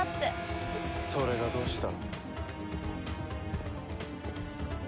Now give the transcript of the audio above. それがどうした？